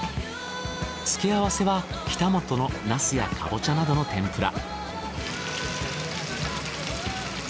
付け合わせは北本のナスやカボチャなどの天ぷら。